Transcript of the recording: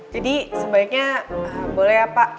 jadi sebaiknya boleh ya pak